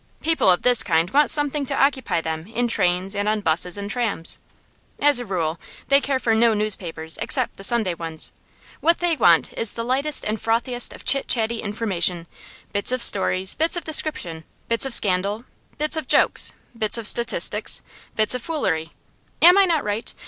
People of this kind want something to occupy them in trains and on 'buses and trams. As a rule they care for no newspapers except the Sunday ones; what they want is the lightest and frothiest of chit chatty information bits of stories, bits of description, bits of scandal, bits of jokes, bits of statistics, bits of foolery. Am I not right?